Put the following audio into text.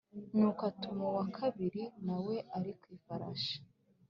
Nuko atuma uwa kabiri na we ari ku ifarashi